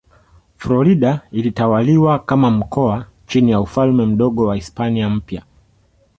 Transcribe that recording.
Florida ilitawaliwa kama mkoa chini ya Ufalme Mdogo wa Hispania Mpya.